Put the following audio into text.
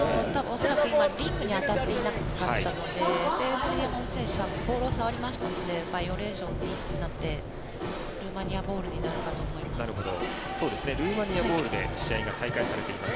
恐らく今リングに当たっていなかったのでそれで日本選手がボールを触りましたのでバイオレーションになってルーマニアボールになります。